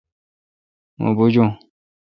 مہ بوجون۔